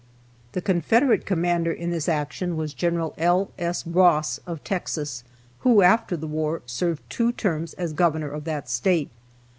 The Confederate commander in this action was Gen. L. S. Ross of Texas, who, after the war, served two terms as governor of that State.